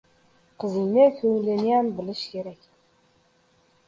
— Qizingni ko‘ngliniyam bilish kerak.